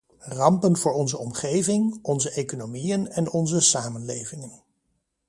Rampen voor onze omgeving, onze economieën en onze samenlevingen.